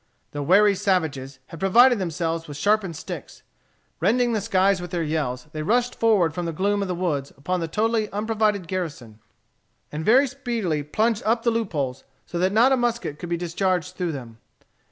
The wary savages had provided themselves with sharpened sticks. Rending the skies with their yells, they rushed forward from the gloom of the woods upon the totally unprovided garrison, and very speedily plugged up the loop holes, so that not a musket could be discharged through them.